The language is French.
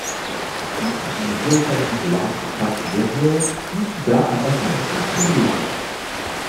Issu d'une vieille famille de l'aristocratie guerrière, Nishida a passé une enfance privilégiée.